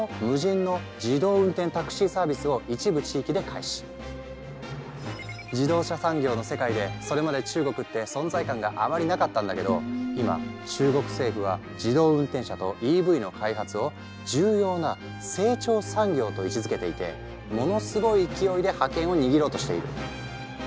例えば自動車産業の世界でそれまで中国って存在感があまりなかったんだけど今中国政府は自動運転車とＥＶの開発を重要な成長産業と位置づけていてものすごい勢いで覇権を握ろうとしている。